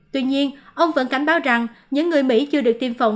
tuy nhiên ông vẫn cảnh báo rằng những người mỹ chưa được tiêm phòng